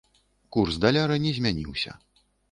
Курс даляра не змяніўся.